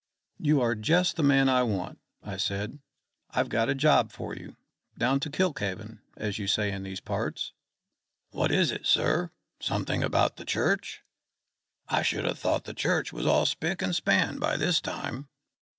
"You are just the man I want," I said. "I've got a job for you, down to Kilkhaven, as you say in these parts." "What is it, sir? Something about the church? I should ha' thought the church was all spick and span by this time."